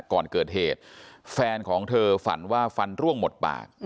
ก่อนเกิดเหตุแฟนของเธอฝันว่าฟันร่วงหมดปาก